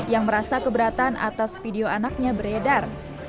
yang merasa keberatan atas video anaknya beredar